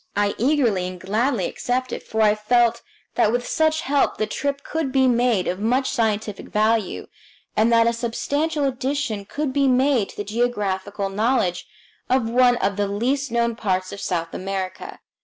I eagerly and gladly accepted, for I felt that with such help the trip could be made of much scientific value, and that a substantial addition could be made to the geographical knowledge of one of the least known parts of South America.